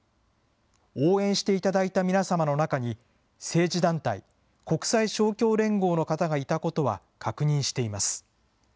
応援していただいた皆様の中に、政治団体、国際勝共連合の方がいたことは確認しています。